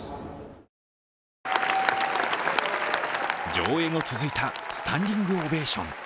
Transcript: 上演後、続いたスタンディングオベーション。